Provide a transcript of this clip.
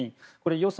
予算